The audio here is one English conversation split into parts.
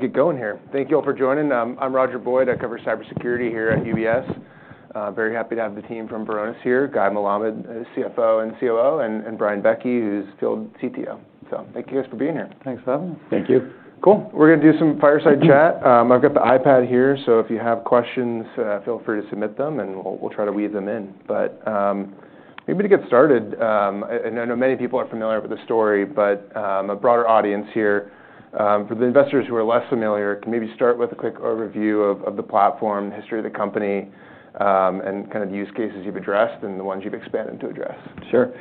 All right. We will get going here. Thank you all for joining. I'm Roger Boyd. I cover cybersecurity here at UBS. Very happy to have the team from Varonis here: Guy Melamed, CFO and COO, and Brian Becci, who's Field CTO. So thank you guys for being here. Thanks for having us. Thank you. Cool. We're gonna do some fireside chat. I've got the iPad here, so if you have questions, feel free to submit them, and we'll try to weave them in. Maybe to get started, I know many people are familiar with the story, but a broader audience here, for the investors who are less familiar, can maybe start with a quick overview of the platform, the history of the company, and kind of the use cases you've addressed and the ones you've expanded to address. Sure.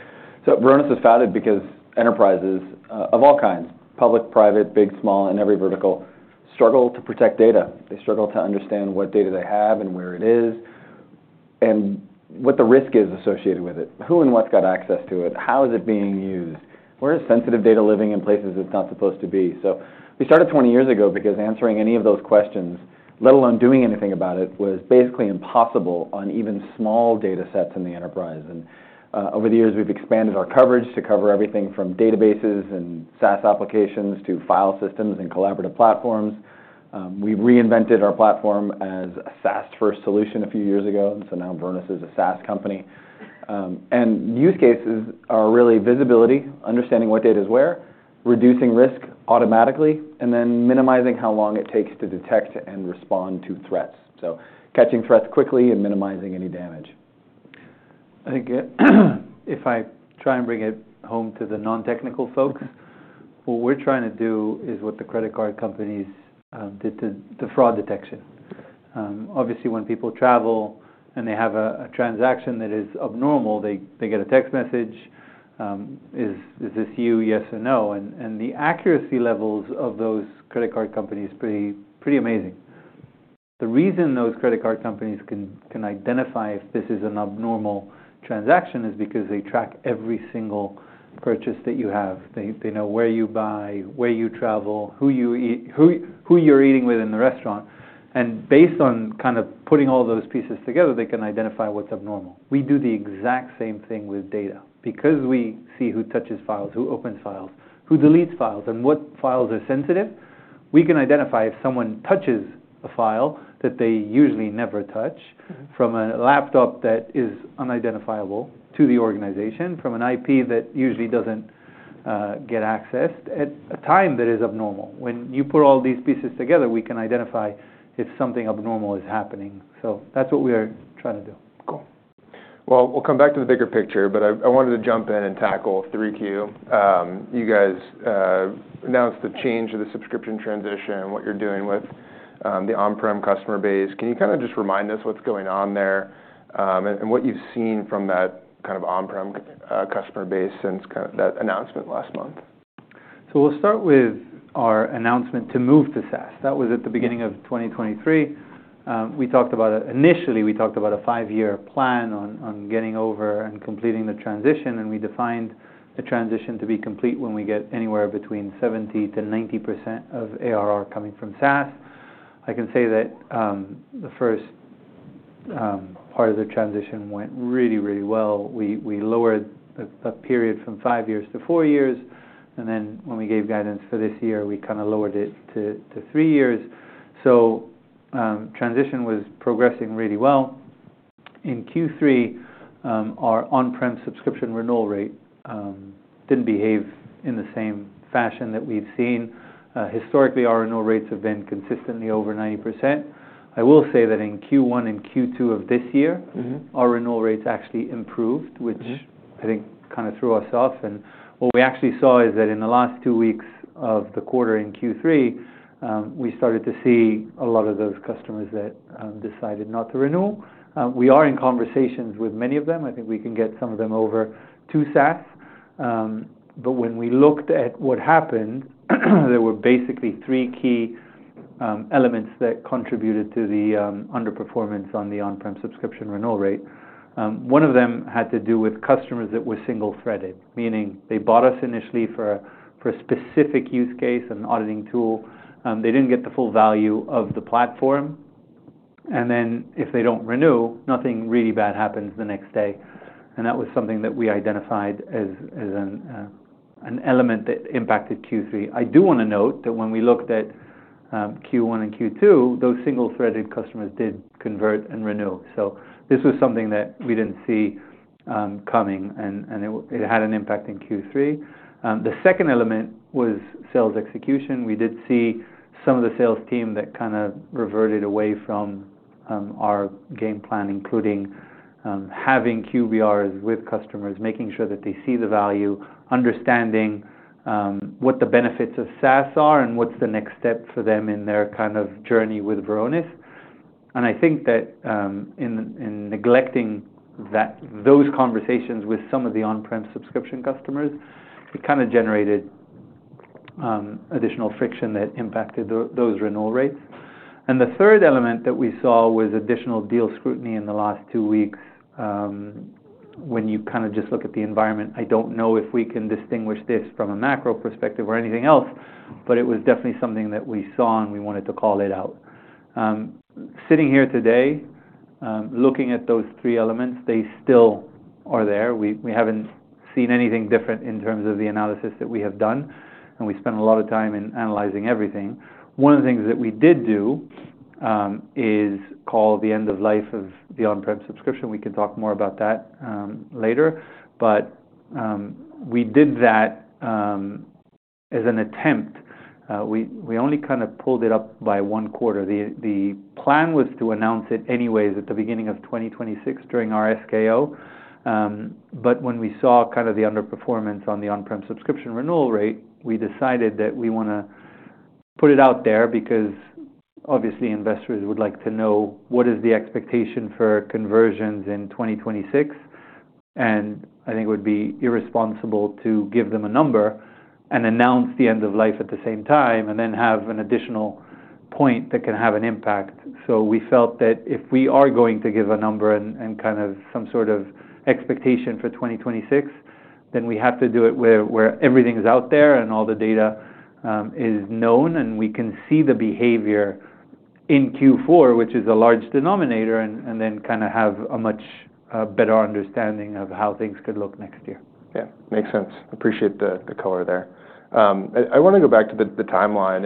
Varonis is founded because enterprises, of all kinds—public, private, big, small, in every vertical—struggle to protect data. They struggle to understand what data they have and where it is and what the risk is associated with it. Who and what's got access to it? How is it being used? Where is sensitive data living in places it's not supposed to be? We started 20 years ago because answering any of those questions, let alone doing anything about it, was basically impossible on even small data sets in the enterprise. Over the years, we've expanded our coverage to cover everything from databases and SaaS applications to file systems and collaborative platforms. We reinvented our platform as a SaaS-first solution a few years ago, and now Varonis is a SaaS company. Use cases are really visibility, understanding what data's where, reducing risk automatically, and then minimizing how long it takes to detect and respond to threats. Catching threats quickly and minimizing any damage. I think, if I try and bring it home to the non-technical folks, what we're trying to do is what the credit card companies did to the fraud detection. Obviously, when people travel and they have a transaction that is abnormal, they get a text message, "Is this you? Yes or no?" The accuracy levels of those credit card companies are pretty, pretty amazing. The reason those credit card companies can identify if this is an abnormal transaction is because they track every single purchase that you have. They know where you buy, where you travel, who you eat, who you're eating with in the restaurant. Based on kind of putting all those pieces together, they can identify what's abnormal. We do the exact same thing with data. Because we see who touches files, who opens files, who deletes files, and what files are sensitive, we can identify if someone touches a file that they usually never touch from a laptop that is unidentifiable to the organization, from an IP that usually does not get accessed at a time that is abnormal. When you put all these pieces together, we can identify if something abnormal is happening. That is what we are trying to do. Cool. We'll come back to the bigger picture, but I wanted to jump in and tackle 3Q. You guys announced the change of the subscription transition, what you're doing with the on-prem customer base. Can you kind of just remind us what's going on there, and what you've seen from that kind of on-prem customer base since that announcement last month? We will start with our announcement to move to SaaS. That was at the beginning of 2023. We talked about it initially. We talked about a five-year plan on getting over and completing the transition, and we defined the transition to be complete when we get anywhere between 70%-90% of ARR coming from SaaS. I can say that the first part of the transition went really, really well. We lowered the period from five years to four years, and then when we gave guidance for this year, we kind of lowered it to three years. Transition was progressing really well. In Q3, our on-prem subscription renewal rate did not behave in the same fashion that we have seen. Historically, our renewal rates have been consistently over 90%. I will say that in Q1 and Q2 of this year. Mm-hmm. Our renewal rates actually improved, which. Mm-hmm. I think kind of threw us off. What we actually saw is that in the last two weeks of the quarter in Q3, we started to see a lot of those customers that decided not to renew. We are in conversations with many of them. I think we can get some of them over to SaaS. When we looked at what happened, there were basically three key elements that contributed to the underperformance on the on-prem subscription renewal rate. One of them had to do with customers that were single-threaded, meaning they bought us initially for a specific use case and auditing tool. They did not get the full value of the platform. If they do not renew, nothing really bad happens the next day. That was something that we identified as an element that impacted Q3. I do wanna note that when we looked at Q1 and Q2, those single-threaded customers did convert and renew. This was something that we didn't see coming, and it had an impact in Q3. The second element was sales execution. We did see some of the sales team that kind of reverted away from our game plan, including having QBRs with customers, making sure that they see the value, understanding what the benefits of SaaS are and what's the next step for them in their kind of journey with Varonis. I think that in neglecting that, those conversations with some of the on-prem subscription customers, it kind of generated additional friction that impacted those renewal rates. The third element that we saw was additional deal scrutiny in the last two weeks. When you kind of just look at the environment, I don't know if we can distinguish this from a macro perspective or anything else, but it was definitely something that we saw, and we wanted to call it out. Sitting here today, looking at those three elements, they still are there. We haven't seen anything different in terms of the analysis that we have done, and we spent a lot of time in analyzing everything. One of the things that we did do is call the end of life of the on-prem subscription. We can talk more about that later. We did that as an attempt. We only kind of pulled it up by one quarter. The plan was to announce it anyways at the beginning of 2026 during our SKO. When we saw kind of the underperformance on the on-prem subscription renewal rate, we decided that we wanna put it out there because, obviously, investors would like to know what is the expectation for conversions in 2026. I think it would be irresponsible to give them a number and announce the end of life at the same time and then have an additional point that can have an impact. We felt that if we are going to give a number and kind of some sort of expectation for 2026, then we have to do it where everything's out there and all the data is known, and we can see the behavior in Q4, which is a large denominator, and then kind of have a much better understanding of how things could look next year. Yeah. Makes sense. Appreciate the color there. I wanna go back to the timeline.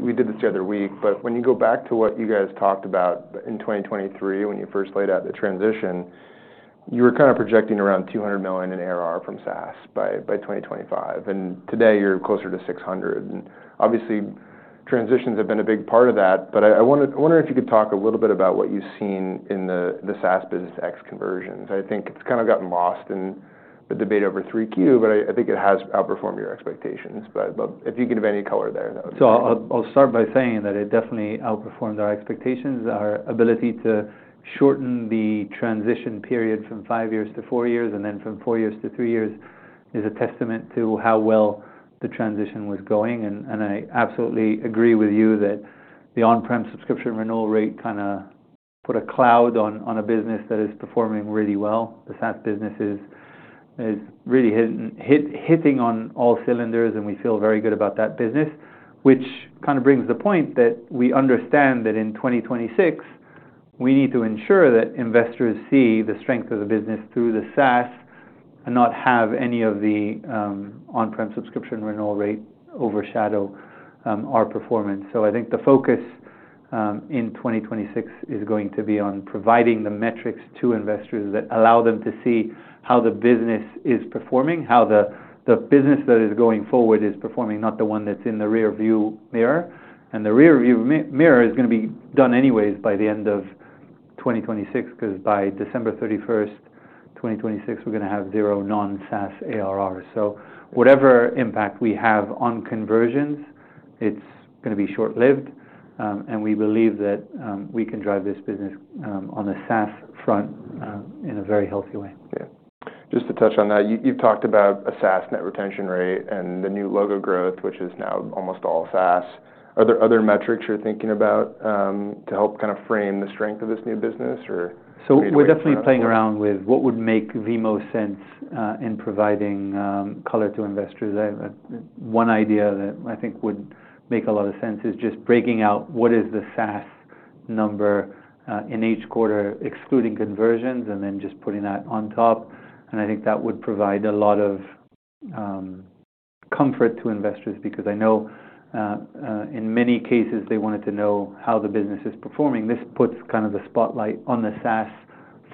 We did this the other week, but when you go back to what you guys talked about in 2023, when you first laid out the transition, you were kind of projecting around $200 million in ARR from SaaS by 2025. Today, you're closer to $600 million. Obviously, transitions have been a big part of that. I wonder if you could talk a little bit about what you've seen in the SaaS Business X conversions. I think it's kind of gotten lost in the debate over 3Q. I think it has outperformed your expectations. If you could have any color there, that would be. I'll start by saying that it definitely outperformed our expectations. Our ability to shorten the transition period from five years to four years and then from four years to three years is a testament to how well the transition was going. I absolutely agree with you that the on-prem subscription renewal rate kind of put a cloud on a business that is performing really well. The SaaS business is really hitting, hitting on all cylinders, and we feel very good about that business, which kind of brings the point that we understand that in 2026, we need to ensure that investors see the strength of the business through the SaaS and not have any of the on-prem subscription renewal rate overshadow our performance. I think the focus, in 2026 is going to be on providing the metrics to investors that allow them to see how the business is performing, how the, the business that is going forward is performing, not the one that's in the rearview mirror. The rearview mirror is gonna be done anyways by the end of 2026 because by December 31, 2026, we're gonna have zero non-SaaS ARR. Whatever impact we have on conversions, it's gonna be short-lived. We believe that we can drive this business, on the SaaS front, in a very healthy way. Yeah. Just to touch on that, you, you've talked about a SaaS net retention rate and the new logo growth, which is now almost all SaaS. Are there other metrics you're thinking about, to help kind of frame the strength of this new business or features? We're definitely playing around with what would make the most sense in providing color to investors. One idea that I think would make a lot of sense is just breaking out what is the SaaS number in each quarter, excluding conversions, and then just putting that on top. I think that would provide a lot of comfort to investors because I know, in many cases, they wanted to know how the business is performing. This puts kind of the spotlight on the SaaS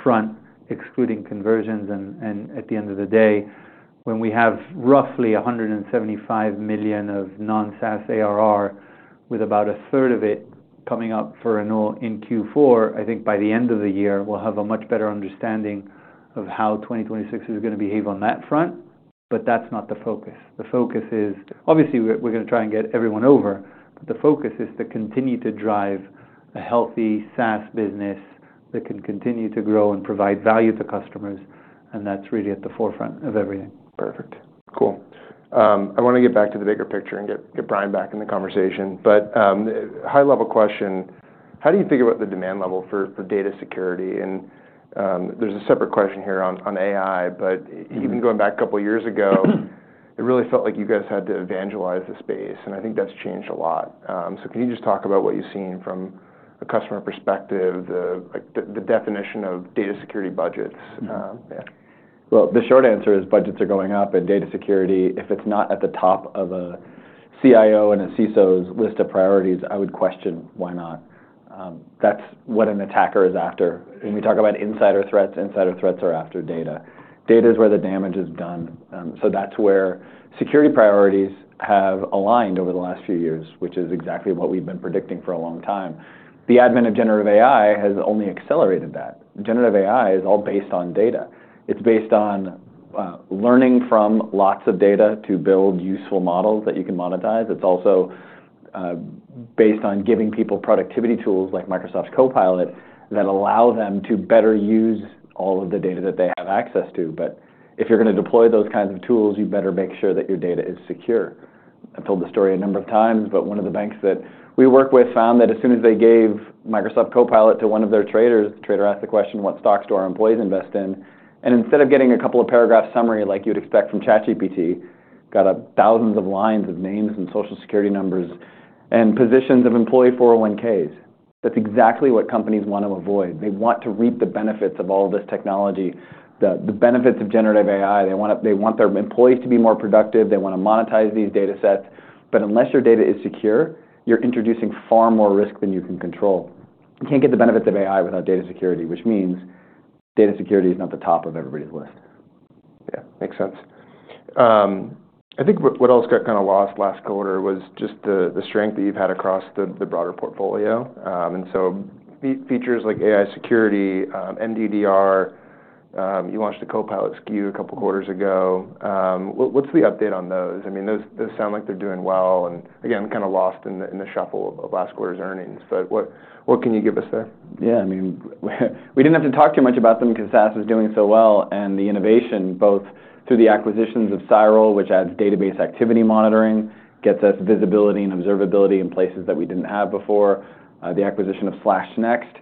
front, excluding conversions. At the end of the day, when we have roughly $175 million of non-SaaS ARR, with about a third of it coming up for renewal in Q4, I think by the end of the year, we'll have a much better understanding of how 2026 is gonna behave on that front. That's not the focus. The focus is, obviously, we're gonna try and get everyone over, but the focus is to continue to drive a healthy SaaS business that can continue to grow and provide value to customers. That's really at the forefront of everything. Perfect. Cool. I wanna get back to the bigger picture and get Brian back in the conversation. High-level question, how do you think about the demand level for data security? There's a separate question here on AI, but even going back a couple of years ago, it really felt like you guys had to evangelize the space. I think that's changed a lot. Can you just talk about what you've seen from a customer perspective, like the definition of data security budgets? Yeah. The short answer is budgets are going up, and data security, if it's not at the top of a CIO and a CISO's list of priorities, I would question why not. That's what an attacker is after. When we talk about insider threats, insider threats are after data. Data is where the damage is done. That's where security priorities have aligned over the last few years, which is exactly what we've been predicting for a long time. The advent of generative AI has only accelerated that. Generative AI is all based on data. It's based on learning from lots of data to build useful models that you can monetize. It's also based on giving people productivity tools like Microsoft Copilot that allow them to better use all of the data that they have access to. If you're gonna deploy those kinds of tools, you better make sure that your data is secure. I've told the story a number of times, but one of the banks that we work with found that as soon as they gave Microsoft Copilot to one of their traders, the trader asked the question, "What stocks do our employees invest in?" Instead of getting a couple of paragraphs summary like you'd expect from ChatGPT, got thousands of lines of names and social security numbers and positions of employee 401(k)s. That's exactly what companies wanna avoid. They want to reap the benefits of all this technology, the benefits of generative AI. They wanna, they want their employees to be more productive. They wanna monetize these data sets. Unless your data is secure, you're introducing far more risk than you can control. You can't get the benefits of AI without data security, which means data security is not the top of everybody's list. Yeah. Makes sense. I think what else got kind of lost last quarter was just the strength that you've had across the broader portfolio. And so features like AI security, MDDR, you launched a Copilot SKU a couple of quarters ago. What, what's the update on those? I mean, those sound like they're doing well and, again, kind of lost in the shuffle of last quarter's earnings. What can you give us there? Yeah. I mean, we did not have to talk too much about them 'cause SaaS is doing so well. And the innovation, both through the acquisitions of Cyril, which adds database activity monitoring, gets us visibility and observability in places that we did not have before. The acquisition of Slash Next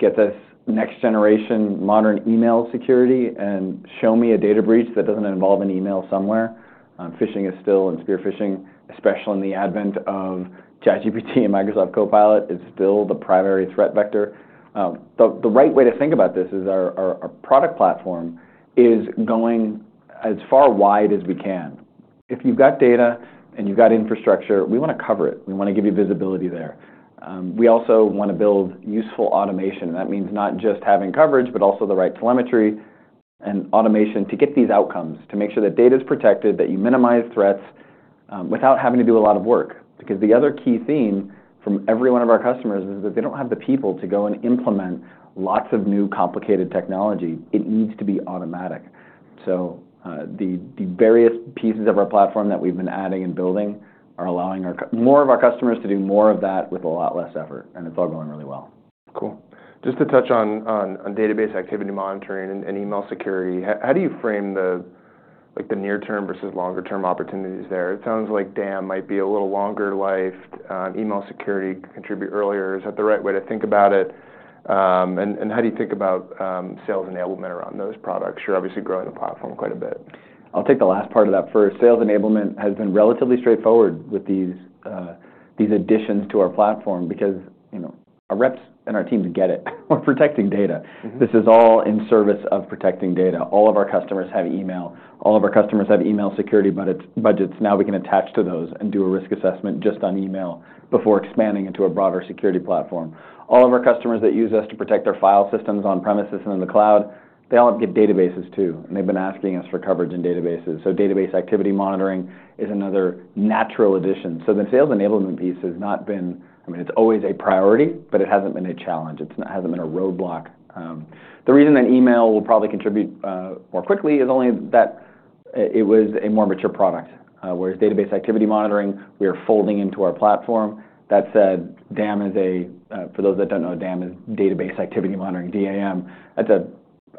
gets us next-generation modern email security and show me a data breach that does not involve an email somewhere. Phishing is still, and spear phishing, especially in the advent of ChatGPT and Microsoft Copilot, is still the primary threat vector. The right way to think about this is our product platform is going as far wide as we can. If you have got data and you have got infrastructure, we want to cover it. We want to give you visibility there. We also want to build useful automation. That means not just having coverage, but also the right telemetry and automation to get these outcomes, to make sure that data's protected, that you minimize threats, without having to do a lot of work. Because the other key theme from every one of our customers is that they don't have the people to go and implement lots of new complicated technology. It needs to be automatic. The various pieces of our platform that we've been adding and building are allowing more of our customers to do more of that with a lot less effort. It's all going really well. Cool. Just to touch on, on database activity monitoring and email security, how do you frame the, like, the near-term versus longer-term opportunities there? It sounds like DAM might be a little longer life. Email security contribute earlier. Is that the right way to think about it? And how do you think about sales enablement around those products? You're obviously growing the platform quite a bit. I'll take the last part of that first. Sales enablement has been relatively straightforward with these additions to our platform because, you know, our reps and our teams get it. We're protecting data. This is all in service of protecting data. All of our customers have email. All of our customers have email security budgets. Now we can attach to those and do a risk assessment just on email before expanding into a broader security platform. All of our customers that use us to protect our file systems on-premises and in the cloud, they all have good databases too. And they've been asking us for coverage in databases. So database activity monitoring is another natural addition. The sales enablement piece has not been, I mean, it's always a priority, but it hasn't been a challenge. It hasn't been a roadblock. The reason that email will probably contribute more quickly is only that it was a more mature product. Whereas database activity monitoring, we are folding into our platform. That said, DAM is a, for those that don't know, DAM is database activity monitoring, DAM. That's a,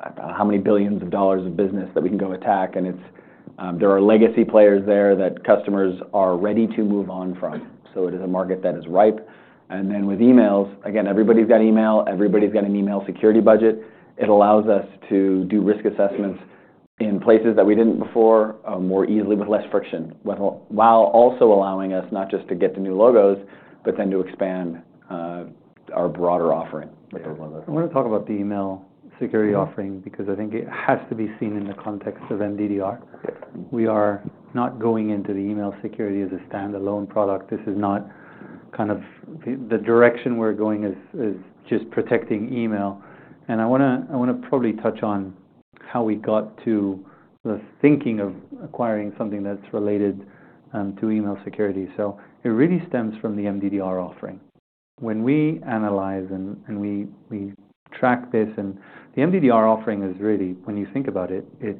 I don't know how many billions of dollars of business that we can go attack. It is, there are legacy players there that customers are ready to move on from. It is a market that is ripe. With emails, again, everybody's got email. Everybody's got an email security budget. It allows us to do risk assessments in places that we didn't before, more easily with less friction, while also allowing us not just to get the new logos, but then to expand our broader offering with those logos. I wanna talk about the email security offering because I think it has to be seen in the context of MDDR. We are not going into the email security as a standalone product. This is not kind of the direction we're going, is just protecting email. I wanna probably touch on how we got to the thinking of acquiring something that's related to email security. It really stems from the MDDR offering. When we analyze and we track this, the MDDR offering is really, when you think about it, it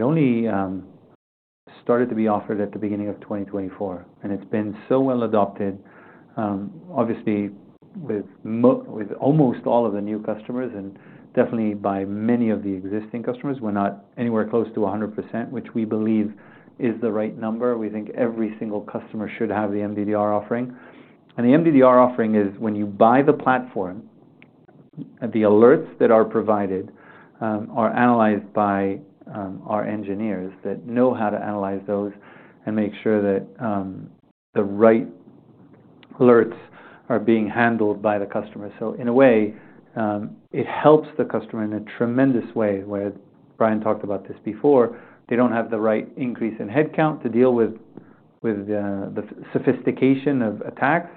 only started to be offered at the beginning of 2024. It's been so well adopted, obviously, with almost all of the new customers and definitely by many of the existing customers. We're not anywhere close to 100%, which we believe is the right number. We think every single customer should have the MDDR offering. The MDDR offering is when you buy the platform, the alerts that are provided are analyzed by our engineers that know how to analyze those and make sure that the right alerts are being handled by the customer. In a way, it helps the customer in a tremendous way where Brian talked about this before. They do not have the right increase in headcount to deal with the sophistication of attacks.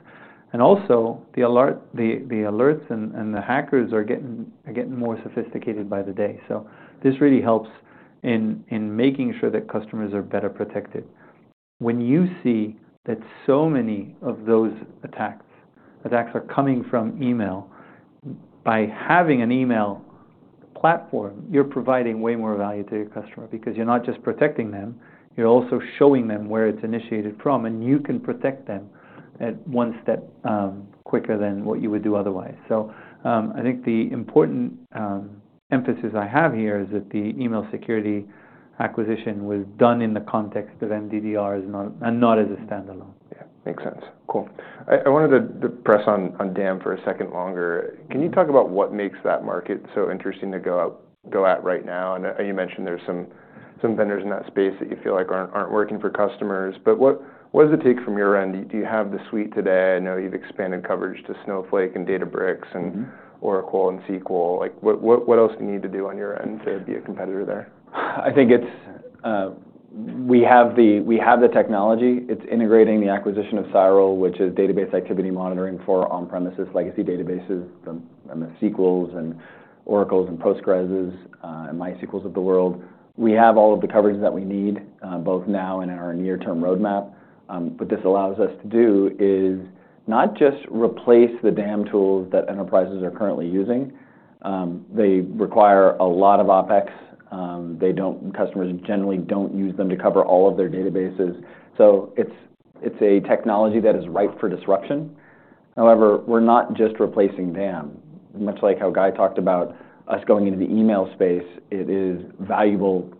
Also, the alerts and the hackers are getting more sophisticated by the day. This really helps in making sure that customers are better protected. When you see that so many of those attacks are coming from email, by having an email platform, you are providing way more value to your customer because you are not just protecting them. You're also showing them where it's initiated from, and you can protect them at one step, quicker than what you would do otherwise. I think the important emphasis I have here is that the email security acquisition was done in the context of MDDR and not, and not as a standalone. Yeah. Makes sense. Cool. I wanted to press on DAM for a second longer. Can you talk about what makes that market so interesting to go at right now? You mentioned there's some vendors in that space that you feel like aren't working for customers. What does it take from your end? Do you have the suite today? I know you've expanded coverage to Snowflake and Databricks and Oracle and SQL. What else do you need to do on your end to be a competitor there? I think it's, we have the, we have the technology. It's integrating the acquisition of Cyril, which is database activity monitoring for on-premises legacy databases from the SQLs and Oracles and Postgreses, and MySQLs of the world. We have all of the coverage that we need, both now and in our near-term roadmap. What this allows us to do is not just replace the DAM tools that enterprises are currently using. They require a lot of OPEX. They don't, customers generally don't use them to cover all of their databases. It's a technology that is ripe for disruption. However, we're not just replacing DAM. Much like how Guy talked about us going into the email space, it is valuable,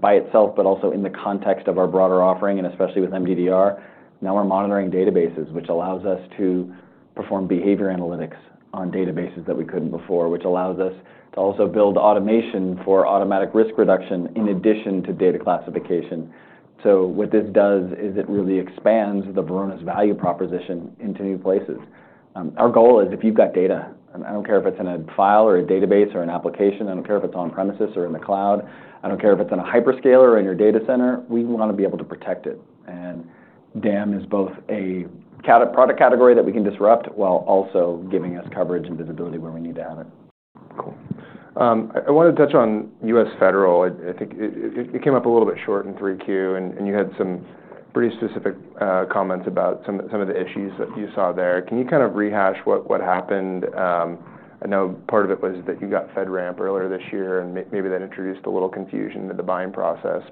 by itself, but also in the context of our broader offering, and especially with MDDR. Now we're monitoring databases, which allows us to perform behavior analytics on databases that we couldn't before, which allows us to also build automation for automatic risk reduction in addition to data classification. What this does is it really expands the Varonis value proposition into new places. Our goal is if you've got data, and I don't care if it's in a file or a database or an application. I don't care if it's on-premises or in the cloud. I don't care if it's in a hyperscaler or in your data center. We wanna be able to protect it. DAM is both a product category that we can disrupt while also giving us coverage and visibility where we need to have it. Cool. I wanna touch on U.S. Federal. I think it came up a little bit short in 3Q, and you had some pretty specific comments about some of the issues that you saw there. Can you kind of rehash what happened? I know part of it was that you got FedRAMP earlier this year, and maybe that introduced a little confusion in the buying process.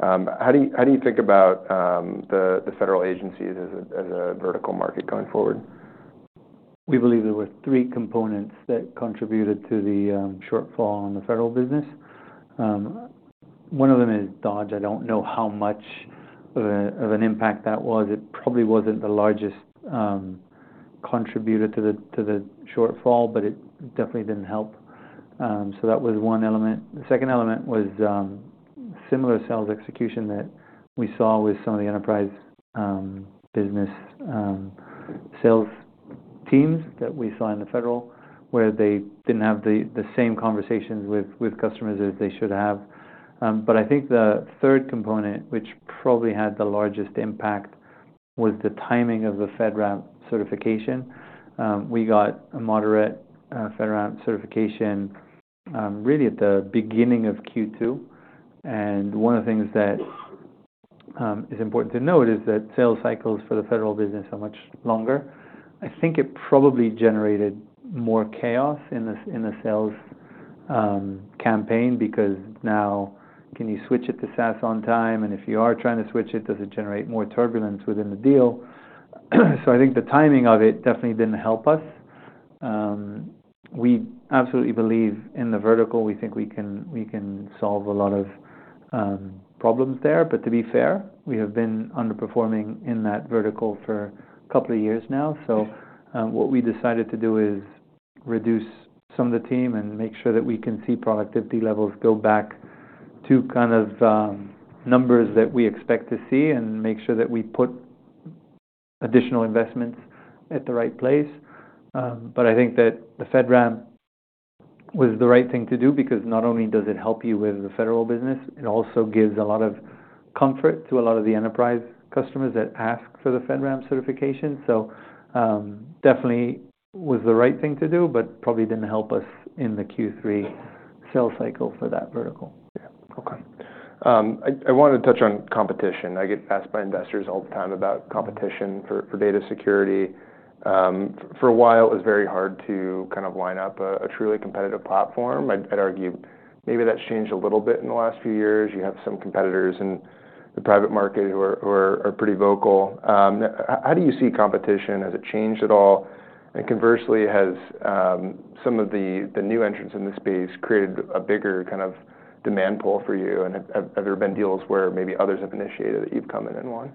How do you think about the federal agencies as a vertical market going forward? We believe there were three components that contributed to the shortfall in the federal business. One of them is DOGE. I don't know how much of an impact that was. It probably wasn't the largest contributor to the shortfall, but it definitely didn't help. That was one element. The second element was similar sales execution that we saw with some of the enterprise business sales teams that we saw in the federal where they didn't have the same conversations with customers as they should have. I think the third component, which probably had the largest impact, was the timing of the FedRAMP certification. We got a moderate FedRAMP certification really at the beginning of Q2. One of the things that is important to note is that sales cycles for the federal business are much longer. I think it probably generated more chaos in the, in the sales campaign because now, can you switch it to SaaS on time? And if you are trying to switch it, does it generate more turbulence within the deal? I think the timing of it definitely didn't help us. We absolutely believe in the vertical. We think we can, we can solve a lot of problems there. To be fair, we have been underperforming in that vertical for a couple of years now. What we decided to do is reduce some of the team and make sure that we can see productivity levels go back to kind of numbers that we expect to see and make sure that we put additional investments at the right place. I think that the FedRAMP was the right thing to do because not only does it help you with the federal business, it also gives a lot of comfort to a lot of the enterprise customers that ask for the FedRAMP certification. It definitely was the right thing to do, but probably did not help us in the Q3 sales cycle for that vertical. Yeah. Okay. I wanted to touch on competition. I get asked by investors all the time about competition for data security. For a while, it was very hard to kind of line up a truly competitive platform. I'd argue maybe that's changed a little bit in the last few years. You have some competitors in the private market who are pretty vocal. How do you see competition? Has it changed at all? Conversely, has some of the new entrants in the space created a bigger kind of demand pool for you? Have there been deals where maybe others have initiated that you've come in and won?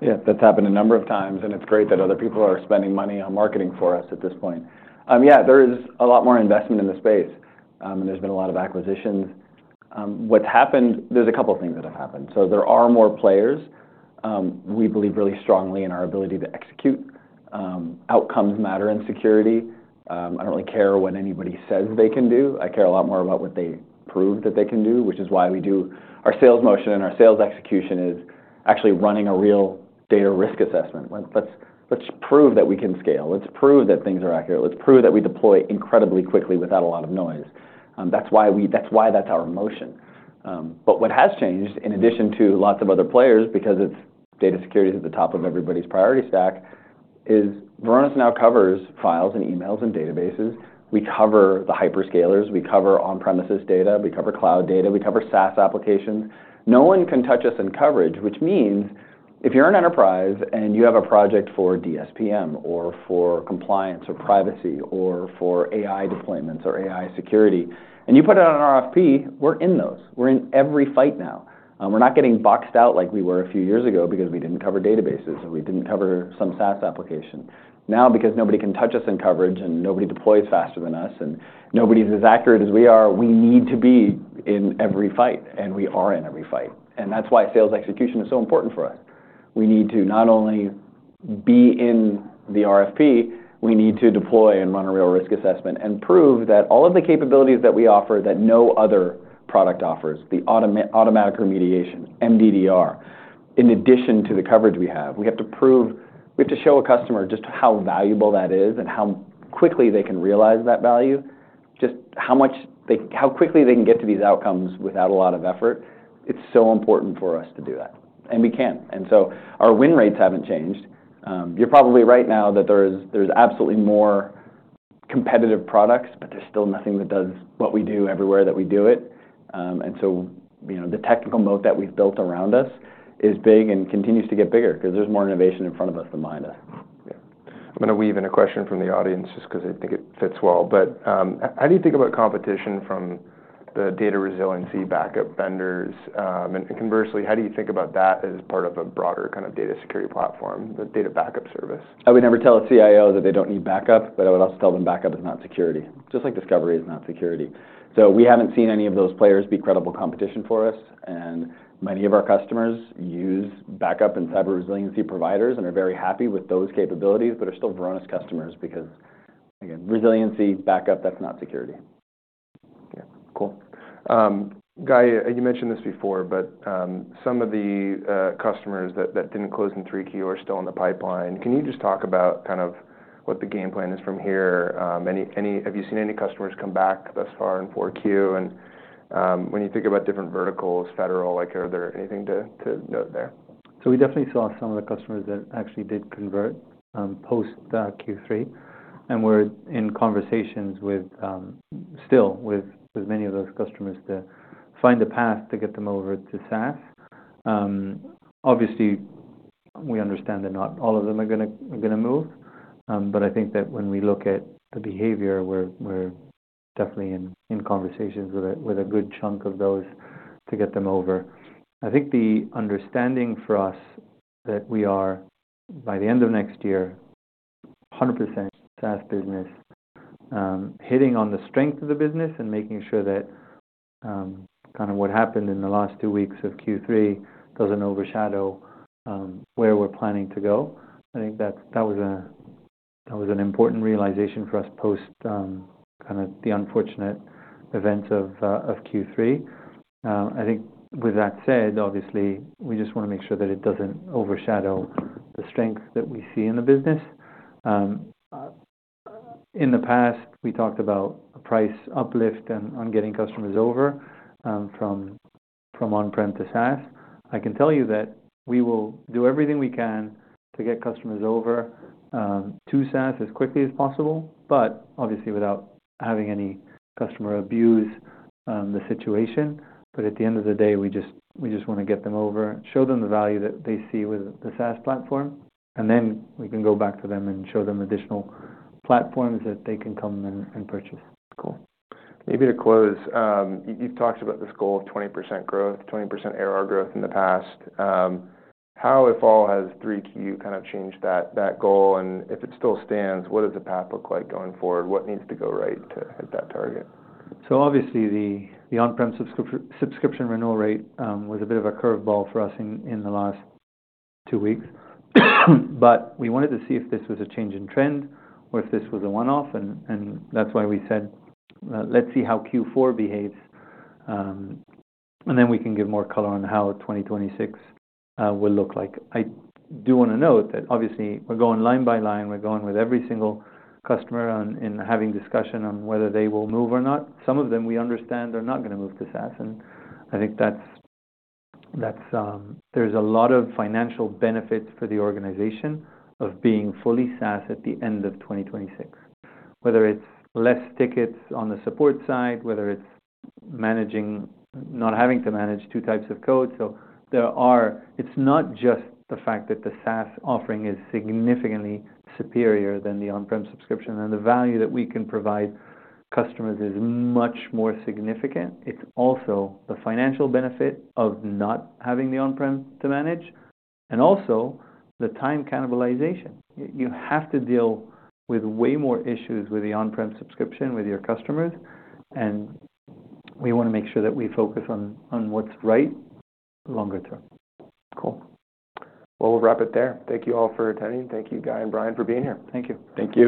Yeah. That's happened a number of times. And it's great that other people are spending money on marketing for us at this point. Yeah, there is a lot more investment in the space, and there's been a lot of acquisitions. What's happened, there's a couple of things that have happened. There are more players. We believe really strongly in our ability to execute. Outcomes matter in security. I don't really care what anybody says they can do. I care a lot more about what they prove that they can do, which is why we do our sales motion and our sales execution is actually running a real data risk assessment. Let's, let's prove that we can scale. Let's prove that things are accurate. Let's prove that we deploy incredibly quickly without a lot of noise. That's why we, that's why that's our motion. What has changed, in addition to lots of other players, because data security is at the top of everybody's priority stack, is Varonis now covers files and emails and databases. We cover the hyperscalers. We cover on-premises data. We cover cloud data. We cover SaaS applications. No one can touch us in coverage, which means if you're an enterprise and you have a project for DSPM or for compliance or privacy or for AI deployments or AI security, and you put it on RFP, we're in those. We're in every fight now. We're not getting boxed out like we were a few years ago because we didn't cover databases or we didn't cover some SaaS application. Now, because nobody can touch us in coverage and nobody deploys faster than us and nobody's as accurate as we are, we need to be in every fight. We are in every fight. That is why sales execution is so important for us. We need to not only be in the RFP, we need to deploy and run a real risk assessment and prove that all of the capabilities that we offer that no other product offers, the automatic remediation, MDDR, in addition to the coverage we have, we have to prove, we have to show a customer just how valuable that is and how quickly they can realize that value, just how much they, how quickly they can get to these outcomes without a lot of effort. It is so important for us to do that. We can. Our win rates have not changed. You are probably right now that there are absolutely more competitive products, but there is still nothing that does what we do everywhere that we do it. and so, you know, the technical moat that we've built around us is big and continues to get bigger because there's more innovation in front of us than behind us. Yeah. I'm gonna weave in a question from the audience just because I think it fits well. How do you think about competition from the data resiliency backup vendors? And, conversely, how do you think about that as part of a broader kind of data security platform, the data backup service? I would never tell a CIO that they do not need backup, but I would also tell them backup is not security, just like discovery is not security. We have not seen any of those players be credible competition for us. Many of our customers use backup and cyber resiliency providers and are very happy with those capabilities, but are still Varonis customers because, again, resiliency, backup, that is not security. Yeah. Cool. Guy, you mentioned this before, but some of the customers that didn't close in 3Q are still in the pipeline. Can you just talk about kind of what the game plan is from here? Any, any, have you seen any customers come back thus far in 4Q? When you think about different verticals, federal, like, are there anything to note there? We definitely saw some of the customers that actually did convert, post Q3. And we're in conversations with, still with, with many of those customers to find a path to get them over to SaaS. Obviously, we understand that not all of them are gonna, are gonna move. I think that when we look at the behavior, we're definitely in conversations with a good chunk of those to get them over. I think the understanding for us is that we are, by the end of next year, 100% SaaS business, hitting on the strength of the business and making sure that, kind of what happened in the last two weeks of Q3 doesn't overshadow where we're planning to go. I think that was an important realization for us post, kind of the unfortunate events of Q3. I think with that said, obviously, we just wanna make sure that it doesn't overshadow the strength that we see in the business. In the past, we talked about a price uplift and on getting customers over, from on-prem to SaaS. I can tell you that we will do everything we can to get customers over to SaaS as quickly as possible, obviously without having any customer abuse, the situation. At the end of the day, we just wanna get them over, show them the value that they see with the SaaS platform, and then we can go back to them and show them additional platforms that they can come and purchase. Cool. Maybe to close, you've talked about this goal of 20% growth, 20% ARR growth in the past. How, if at all, has 3Q kind of changed that goal? And if it still stands, what does the path look like going forward? What needs to go right to hit that target? Obviously, the on-prem subscription renewal rate was a bit of a curveball for us in the last two weeks. We wanted to see if this was a change in trend or if this was a one-off. That is why we said, let's see how Q4 behaves, and then we can give more color on how 2026 will look like. I do wanna note that obviously we're going line by line. We're going with every single customer, having discussion on whether they will move or not. Some of them we understand are not gonna move to SaaS. I think there's a lot of financial benefits for the organization of being fully SaaS at the end of 2026, whether it's less tickets on the support side, whether it's not having to manage two types of code. There are, it's not just the fact that the SaaS offering is significantly superior than the on-prem subscription and the value that we can provide customers is much more significant. It's also the financial benefit of not having the on-prem to manage and also the time cannibalization. You have to deal with way more issues with the on-prem subscription with your customers. And we wanna make sure that we focus on what's right longer term. Cool. We'll wrap it there. Thank you all for attending. Thank you, Guy and Brian, for being here. Thank you. Thank you.